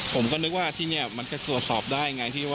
ผมก็นึกว่าที่นี่มันจะตรวจสอบได้ไง